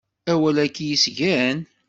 Awal-agi yesgan.